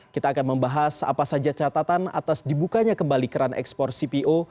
kita akan membahas apa saja catatan atas dibukanya kembali keran ekspor cpo